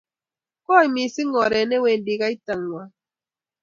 kooi mising' oret ne wendi kaita ng'wang'